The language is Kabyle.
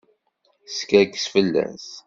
Teskerkes fell-as.